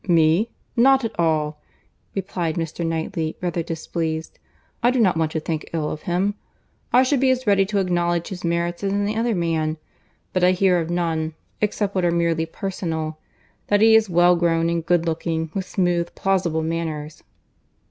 "Me!—not at all," replied Mr. Knightley, rather displeased; "I do not want to think ill of him. I should be as ready to acknowledge his merits as any other man; but I hear of none, except what are merely personal; that he is well grown and good looking, with smooth, plausible manners."